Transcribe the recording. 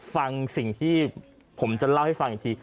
ฟังสิ่งที่ผมจะเล่าให้ฟังอีกที